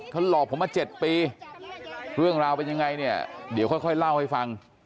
เขาหลอกผมมา๗ปีเรื่องราวเป็นยังไงเนี่ยเดี๋ยวค่อยเล่าให้ฟัง